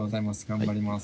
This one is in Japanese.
頑張ります。